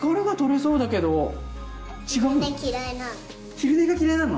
昼寝嫌いなの。